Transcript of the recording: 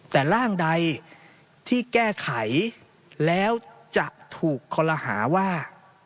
แต่ร่างใดที่แก้ไขแล้วจะถูกคอลหาว่า